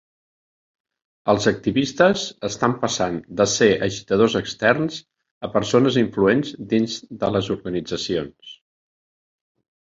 Els activistes estan passant de ser agitadors externs a persones influents dins de les organitzacions.